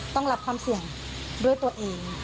ต้องรับความเสี่ยงด้วยตัวเอง